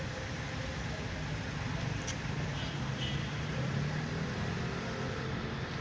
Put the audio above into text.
รออ้านหลานเอง